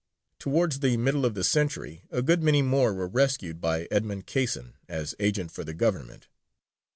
Towards the middle of the century a good many more were rescued by Edmond Casson as agent for the Government.